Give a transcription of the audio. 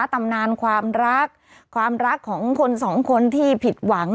ตำนานความรักความรักของคนสองคนที่ผิดหวัง